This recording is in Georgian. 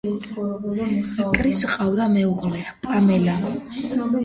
კრისს ჰყავდა მეუღლე პამელა.